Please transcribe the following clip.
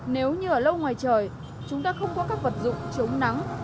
nếu như ở lâu ngoài trời chúng ta không có các vật dụng chống nắng